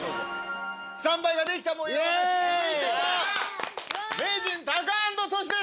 スタンバイができたもようです。